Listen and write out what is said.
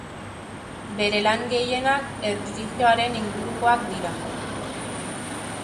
Bere lan gehienak erlijioaren ingurukoak dira.